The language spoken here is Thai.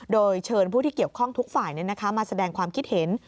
โดยเชิญผู้ที่เกี่ยวข้องทุกฝ่ายมาแสดงความคิดเห็น